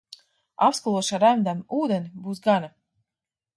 Apskalošu ar remdenu ūdeni, būs gana.